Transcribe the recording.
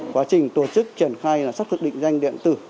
quá trình tổ chức triển khai là xác thực định danh điện tử